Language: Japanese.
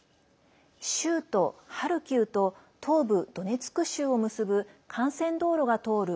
州都ハルキウと東部ドネツク州を結ぶ幹線道路が通る